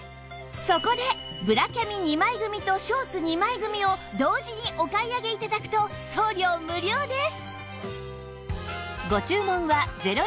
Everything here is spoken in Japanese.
そこでブラキャミ２枚組とショーツ２枚組を同時にお買い上げ頂くと送料無料です！